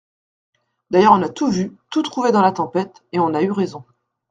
D'ailleurs on a tout vu, tout trouvé dans la Tempête, et on a eu raison.